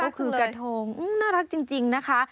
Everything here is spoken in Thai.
ก็คือกระทงน่ารักจริงนะคะ